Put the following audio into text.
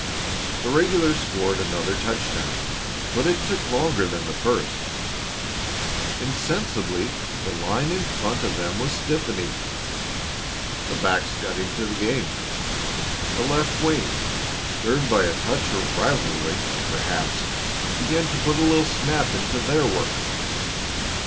The regulars scored another touchdown, but it took longer than the first. Insensibly the line in front of them was stiffening. The backs got into the game; the left wing, stirred by a touch of rivalry, perhaps, began to put a little snap into their work.